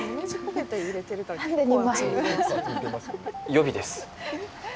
予備です。